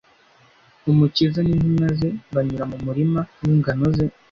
Umukiza n'intumwa ze banyura mu murima w'ingano ze.